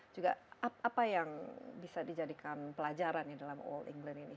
juga apa yang bisa dijadikan pelajaran dalam all england ini